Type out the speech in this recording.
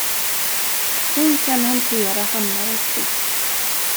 Hon kan hantera hammare och spik!